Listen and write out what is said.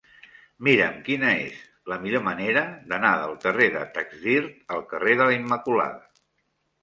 Mira'm quina és la millor manera d'anar del carrer de Taxdirt al carrer de la Immaculada.